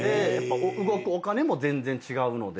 動くお金も全然違うので。